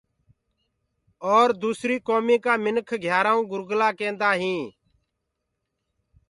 اور دوسريٚ ڪوميٚ ڪآ مِنک گھيآرآئون گرگلآ ڪيندآئين۔